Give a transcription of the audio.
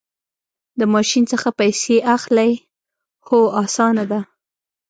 د ماشین څخه پیسې اخلئ؟ هو، اسانه ده